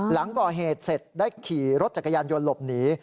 หลังก่อเหตุเสร็จได้ขี่รถจักรยานยนต์หลบหนี